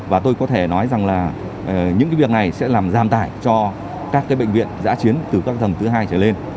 và tôi có thể nói rằng là những cái việc này sẽ làm giam tải cho các cái bệnh viện giã chiến từ các tầng thứ hai trở lên